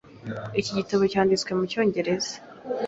Iki gitabo cyanditswe mucyongereza.